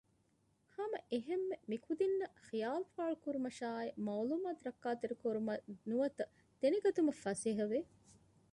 ހަމައެހެންމެ މިކުދިންނަށް ޚިޔާލުފާޅުކުރުމަށާއި މަޢުލޫމާތު ރައްކާކުރުމަށް ނުވަތަ ދެނެގަތުމަށް ފަސޭހަވެ